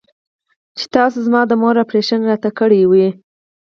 چې تاسو زما د مور اپرېشن ته راكړې وې.